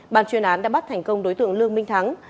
ban chuyên án đã bắt thành công đối tượng lương minh thắng